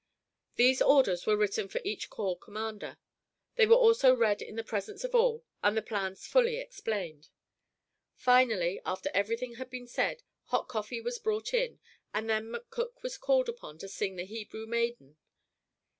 These orders were written for each corps commander. They were also read in the presence of all, and the plans fully explained. Finally, after everything had been said, hot coffee was brought in, and then McCook was called upon to sing the Hebrew Maiden.